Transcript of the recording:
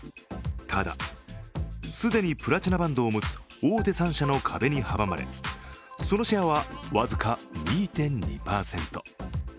ただ、既にプラチナバンドを持つ大手３社の壁に阻まれそのシェアは僅か２．２％。